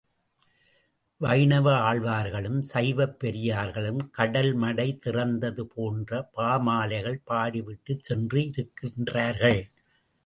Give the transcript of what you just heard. வைணவ ஆழ்வார்களும் சைவப் பெரியார்களும் கடல் மடை திறந்தது போன்று பாமாலைகள் பாடிவிட்டுச் சென்று இருக்கின்றார்கள்.